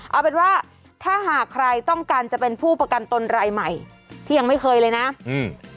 เอาเป็นว่าถ้าหากใครต้องการจะเป็นผู้ประกันตนรายใหม่ที่ยังไม่เคยเลยนะอืม